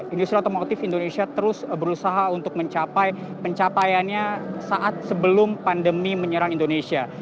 industri otomotif indonesia terus berusaha untuk mencapai pencapaiannya saat sebelum pandemi menyerang indonesia